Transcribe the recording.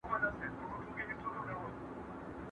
¬ څه ور پنا، څه غر پنا.